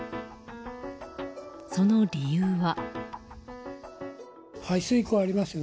その理由は。